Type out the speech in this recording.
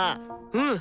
うん！